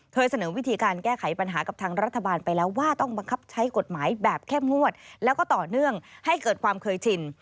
เสนอวิธีการแก้ไขปัญหากับทางรัฐบาลไปแล้วว่าต้องบังคับใช้กฎหมายแบบเข้มงวดแล้วก็ต่อเนื่องให้เกิดความเคยชิน